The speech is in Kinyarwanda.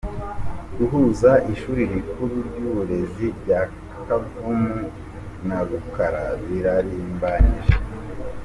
Guhuza ishuri rikuru ry’uburezi rya Kavumu na Rukara birarimbanyije